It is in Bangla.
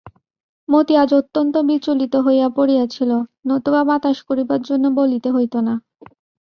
মতি আজ অত্যন্ত বিচলিত হইয়া পড়িয়াছিল, নতুবা বাতাস করিবার জন্য বলিতে হইত না।